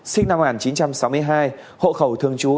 sinh năm một nghìn chín trăm sáu mươi hai hộ khẩu thường trú